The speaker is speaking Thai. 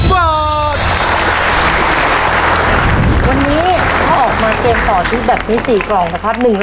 วันนี้ถ้าออกมาเกมต่อชีวิตแบบนี้๔กล่องนะครับ